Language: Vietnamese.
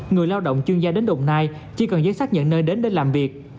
người lao động chuyên gia đến đồng nai chỉ cần giấy xác nhận nơi đến để làm việc